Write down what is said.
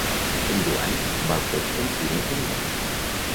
En Joan val tots els diners del món.